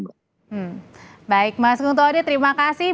baik mas guntuh odeh terima kasih